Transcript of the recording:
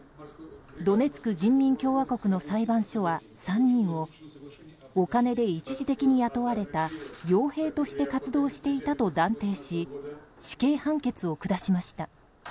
ドネツク人民共和国の裁判所は３人をお金で一時的に雇われた傭兵として活動していたと断定し死刑判決を下しました。